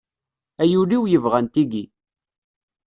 Ay ul-iw yebɣan tigi.